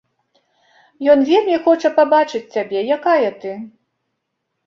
Ён вельмі хоча пабачыць цябе, якая ты.